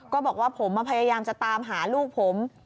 บอกว่าผมมาพยายามจะตามหาลูกผม